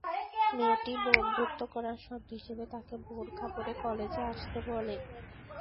মেয়েটি বন্ধুত্ব করার শর্ত হিসেবে তাকে বোরকা পরে কলেজে আসতে বলে।